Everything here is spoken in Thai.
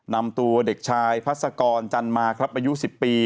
นำตัวเด็กชายพัศกรจันมาครับอายุ๑๐ปี